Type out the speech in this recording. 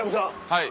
はい。